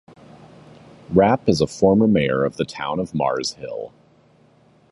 Rapp is a former Mayor of the town of Mars Hill.